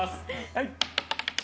はい！